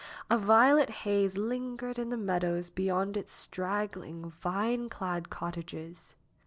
A violet haze lingered in the meadows beyond its straggling, vine clad cottages.